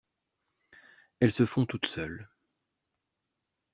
Elles se font toutes seules.